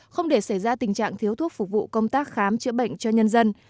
không để xảy ra tình trạng thiếu thuốc phục vụ công tác khám chữa bệnh cho nhân dân